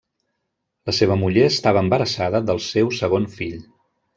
La seva muller estava embarassada del seu segon fill.